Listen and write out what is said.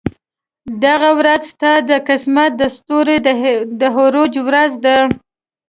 دغه ورځ ستا د قسمت د ستورو د عروج ورځ ده.